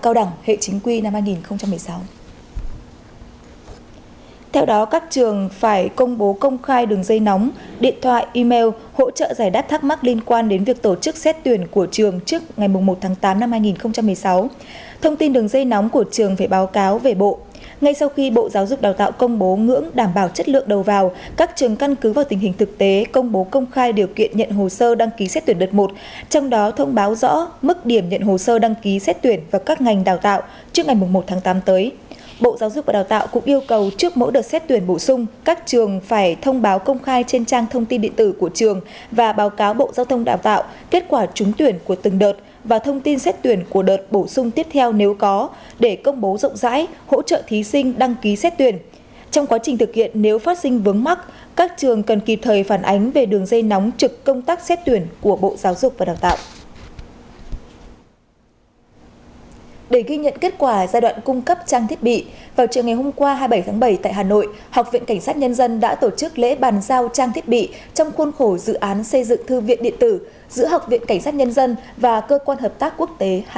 trước ngày hôm qua hai mươi bảy tháng bảy tại hà nội học viện cảnh sát nhân dân đã tổ chức lễ bàn giao trang thiết bị trong khuôn khổ dự án xây dựng thư viện điện tử giữa học viện cảnh sát nhân dân và cơ quan hợp tác quốc tế hàn quốc